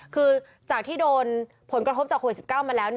คือจากที่โดนผลกระทบจากโควิด๑๙มาแล้ว